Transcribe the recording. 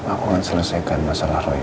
aku bakal selesaikan masalah roy ini